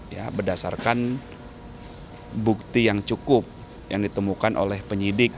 ya berdasarkan bukti yang cukup yang ditemukan oleh penyidik